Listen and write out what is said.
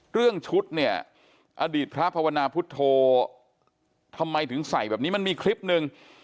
เรื่องชุดเนี่ยอดีตพระภาวนาพุทธโธทำไมถึงใส่แบบนี้มันมีคลิปหนึ่ง